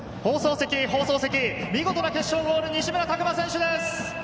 見事な決勝ゴール、西村拓真選手です。